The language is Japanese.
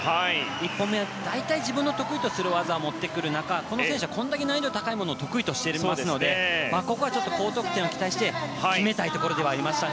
１本目大体自分の得意とする技を持ってくる中、この選手はこれだけ難易度高いものを得意としていますのでここは高得点を期待して決めたいところではありました。